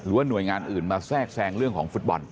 หน่วยงานอื่นมาแทรกแซงเรื่องของฟุตบอล